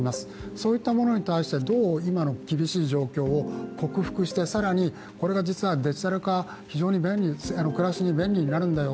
そういったものに対して、どう今の厳しい状況を克服して更にこれが実はデジタル化、非常に暮らしに便利になるんだよ